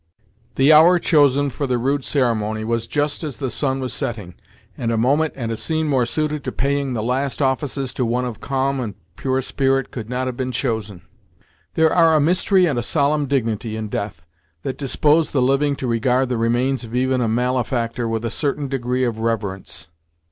The hour chosen for the rude ceremony was just as the sun was setting, and a moment and a scene more suited to paying the last offices to one of calm and pure spirit could not have been chosen. There are a mystery and a solemn dignity in death, that dispose the living to regard the remains of even a malefactor with a certain degree of reverence.